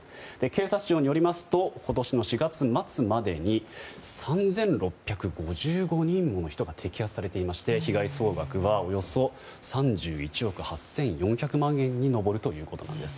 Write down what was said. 警察庁によりますと今年の４月末までに３６５５人もの人が摘発されていまして被害総額はおよそ３１億８４００万円に上るということです。